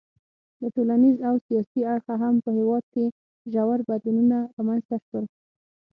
له ټولنیز او سیاسي اړخه هم په هېواد کې ژور بدلونونه رامنځته شول.